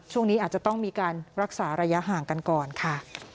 ช่วงนี้อาจจะต้องมีการรักษาระยะห่างกันก่อนค่ะ